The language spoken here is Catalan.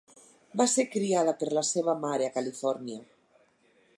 Va ser criada per la seva mare a Califòrnia.